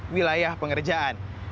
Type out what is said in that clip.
empat wilayah pengerjaan